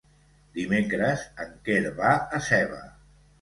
Dimecres en Quer va a Seva.